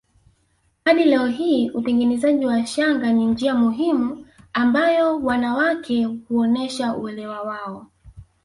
Hadi leo hii utengenezaji wa shanga ni njia muhimu ambayo wanawake huonyesha uelewa wao